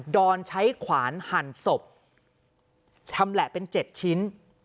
อนใช้ขวานหั่นศพชำแหละเป็น๗ชิ้น